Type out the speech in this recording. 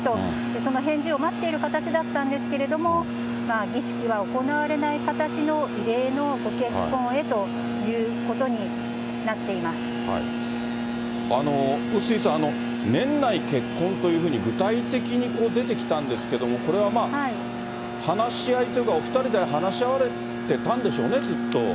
その返事を待っている形だったんですけれども、儀式は行われない形の異例のご結婚へということに笛吹さん、年内結婚というふうに具体的に出てきたんですけれども、これは、話し合いというか、お２人で話し合われてたんでしょうね、きっと。